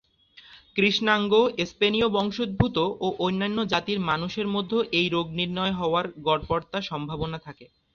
কৃষ্ণাঙ্গ, স্পেনীয়-বংশোদ্ভূত ও অন্যান্য জাতির মানুষের মধ্যে এই রোগ নির্ণয় হওয়ার গড়পড়তা সম্ভাবনা থাকে।